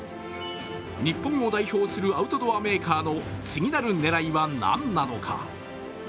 日本を代表とするアウトドアメーカーの次なる狙いは何なのか。